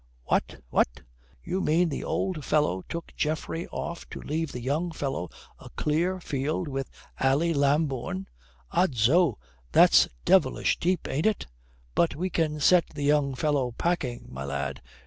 "What, what? You mean the old fellow took Geoffrey off to leave the young fellow a clear field with Ally Lambourne? Odso, that's devilish deep, ain't it? But we can set the young fellow packing, my lad.